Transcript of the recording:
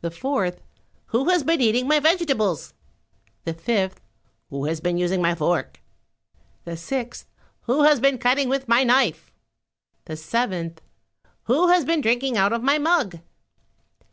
The fourth, "Who has been eating my vegetables?" The fifth, "Who has been using my fork?" The sixth, "Who has been cutting with my knife?" The seventh, "Who has been drinking out of my mug?"